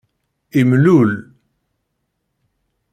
Imlul.